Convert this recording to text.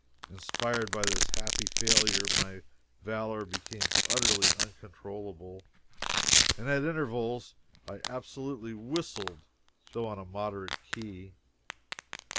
Inspired by this happy failure, my valor became utterly uncontrollable, and at intervals I absolutely whistled, though on a moderate key.